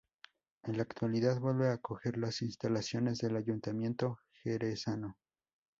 En la actualidad, vuelve a acoger las instalaciones del ayuntamiento jerezano.